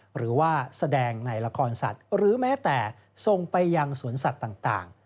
หรือว่าแสดงในละครสัตว์หรือแม้แต่ส่งไปยังสวนสัตว์ต่าง